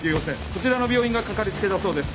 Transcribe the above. こちらの病院がかかりつけだそうです。